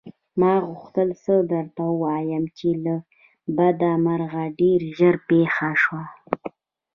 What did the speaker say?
ما غوښتل څه درته ووايم چې له بده مرغه ډېر ژر پېښه شوه.